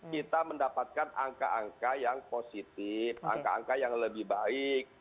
kita mendapatkan angka angka yang positif angka angka yang lebih baik